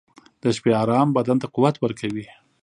• د شپې ارام بدن ته قوت ورکوي.